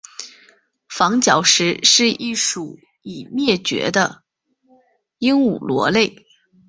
房角石是一属已灭绝的鹦鹉螺类。